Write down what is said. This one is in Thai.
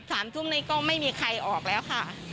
สามทุ่มนี้ก็ไม่มีใครออกแล้วค่ะ